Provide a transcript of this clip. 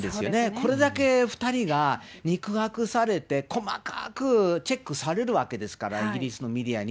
これだけ２人が肉薄されて、細かくチェックされるわけですから、イギリスのメディアに。